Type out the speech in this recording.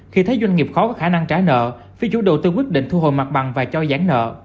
khi thấy doanh nghiệp khó có khả năng trả nợ phía chủ đầu tư quyết định thu hồi mặt bằng và cho giãn nợ